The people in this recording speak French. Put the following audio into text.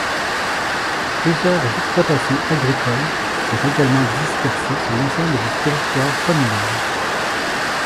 Plusieurs exploitations agricoles sont également dispersées sur l'ensemble du territoire communal.